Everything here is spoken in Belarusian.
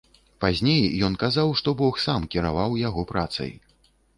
Пазней ён казаў, што бог сам кіраваў яго працай.